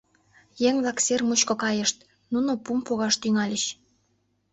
Еҥ-влак сер мучко кайышт, нуно пум погаш тӱҥальыч.